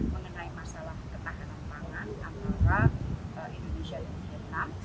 mengenai masalah ketahanan pangan antara indonesia dan vietnam